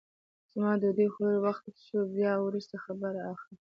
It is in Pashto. زما د ډوډۍ خوړلو وخت سو بیا وروسته خبر اخله!